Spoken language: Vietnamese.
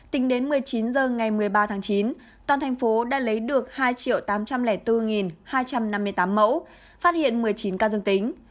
trong thành phố đã lấy được hai tám trăm linh bốn hai trăm năm mươi tám mẫu phát hiện một mươi chín ca dương tính